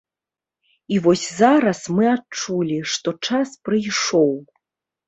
І вось зараз мы адчулі, што час прыйшоў.